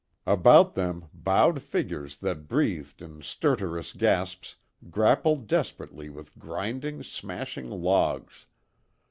About them, bowed figures that breathed in stertorous gasps grappled desperately with grinding, smashing logs.